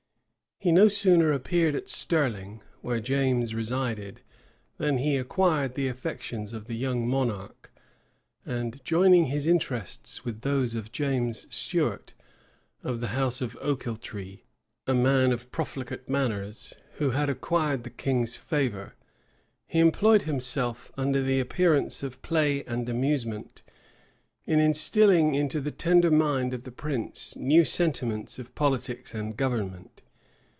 He no sooner appeared at Stirling, where James resided, than he acquired the affections of the young monarch; and joining his interests with those of James Stuart, of the house of Ochiltree, a man of profligate manners, who had acquired the king's favor, he employed himself, under the appearance of play and amusement, in instilling into the tender mind of the prince new sentiments of politics and government.